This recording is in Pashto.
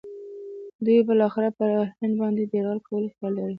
دوی بالاخره پر هند باندې د یرغل کولو خیال لري.